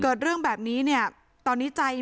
ไม่อยากให้มองแบบนั้นจบดราม่าสักทีได้ไหม